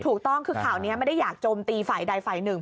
ถูกต้องคือข่าวนี้ไม่ได้อยากโจมตีฝ่ายใดฝ่ายหนึ่ง